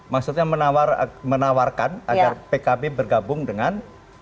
maksudnya menawarkan agar pkb bergabung dengan